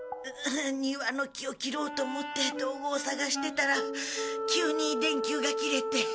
庭の木を切ろうと思って道具を探してたら急に電球が切れて。